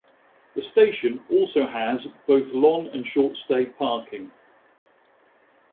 The station also has both long and short stay parking.